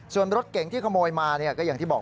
ส่วนรถเก๋งที่ขโมยมาก็อย่างที่บอก